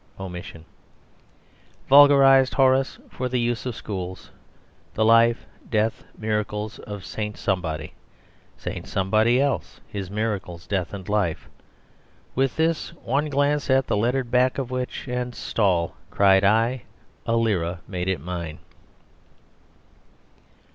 Vulgarised Horace for the use of schools, 'The Life, Death, Miracles of Saint Somebody, Saint Somebody Else, his Miracles, Death, and Life' With this, one glance at the lettered back of which, And 'Stall,' cried I; a lira made it mine."